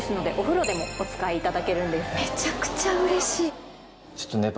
めちゃくちゃうれしい。